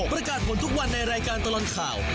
ประกาศผลทุกวันในรายการตลอดข่าว